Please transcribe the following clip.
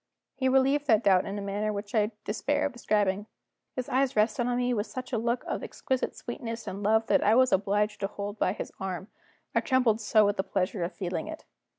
He relieved that doubt in a manner which I despair of describing. His eyes rested on me with such a look of exquisite sweetness and love that I was obliged to hold by his arm, I trembled so with the pleasure of feeling it.